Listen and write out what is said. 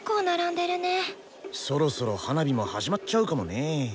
そろそろ花火も始まっちゃうかもね。